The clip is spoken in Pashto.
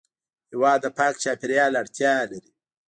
هېواد د پاک چاپېریال اړتیا لري.